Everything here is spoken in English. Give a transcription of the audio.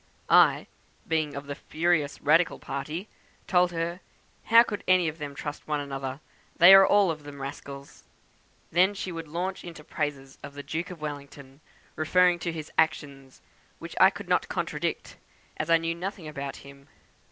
I, being of the furious radical party, told her 'how could any of them trust one another; they were all of them rascals!' Then she would launch out into praises of the Duke of Wellington, referring to his actions; which I could not contradict, as I knew nothing about him.